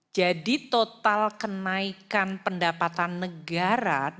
jadi total kenaikan pendapatan negara dari